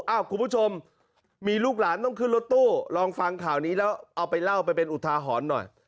คุณผู้ชมมีลูกหลานต้องขึ้นรถตู้ลองฟังข่าวนี้แล้วเอาไปเล่าไปเป็นอุทาหรณ์หน่อย